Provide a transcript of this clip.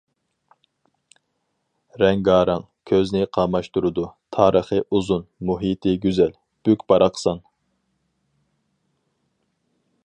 رەڭگارەڭ، كۆزنى قاماشتۇرىدۇ، تارىخى ئۇزۇن، مۇھىتى گۈزەل، بۈك-باراقسان.